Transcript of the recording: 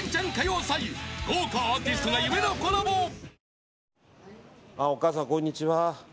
「ビオレ」お母さん、こんにちは。